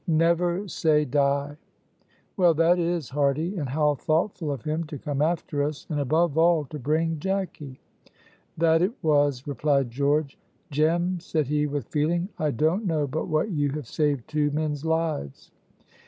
"Never say die!" "Well, that is hearty! and how thoughtful of him to come after us, and above all to bring Jacky!" "That it was," replied George. "Jem," said he, with feeling, "I don't know but what you have saved two men's lives."